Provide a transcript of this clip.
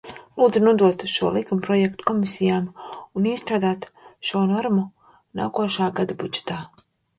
Lūdzu nodot šo likumprojektu komisijām un iestrādāt šo normu nākošā gada budžetā!